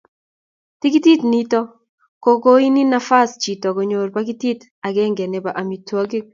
tikitit nito ko koini nafasit chito konyor pakitit agenge nebo amitwokik